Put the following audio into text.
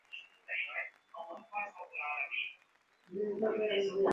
খাটা বন্ধ করো।